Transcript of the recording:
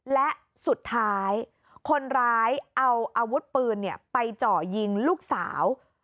และสุดท้ายคนร้ายเอาอาวุธปืนไปเจาะยิงลูกสาว